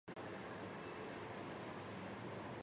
县境分属鄞县和回浦县。